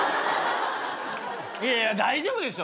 いや大丈夫でしょ。